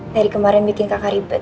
dari kemarin bikin kakak ribet